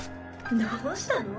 どうしたの？